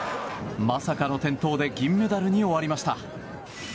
まさかの転倒で銀メダルに終わりました。